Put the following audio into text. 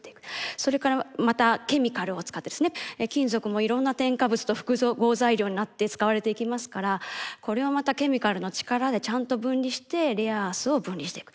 それからまたケミカルを使ってですね金属もいろんな添加物と複合材料になって使われていきますからこれをまたケミカルの力でちゃんと分離してレアアースを分離していく。